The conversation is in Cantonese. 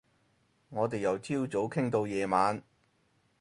我哋由朝早傾到夜晚